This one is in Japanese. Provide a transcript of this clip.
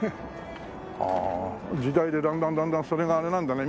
ああ時代でだんだんだんだんそれがあれなんだね